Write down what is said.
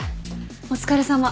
お疲れさま。